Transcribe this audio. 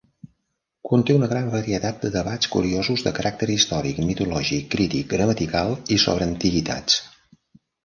Conté una gran varietat de debats curiosos de caràcter històric, mitològic, crític, gramatical i sobre antiguitats.